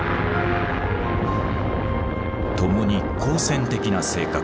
ともに好戦的な性格。